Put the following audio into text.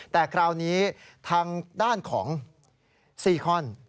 แต่คราวนี้ทางด้านของซีคอน